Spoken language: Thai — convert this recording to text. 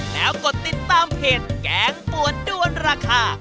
แล้วกดติดตามเพจแกงปวดด้วนราคา